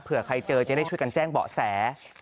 เพื่อใครเจอจะได้ช่วยกันแจ้งเบาะแส